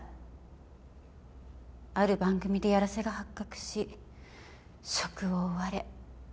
ある番組でヤラセが発覚し職を追われ。